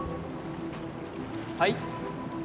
はい？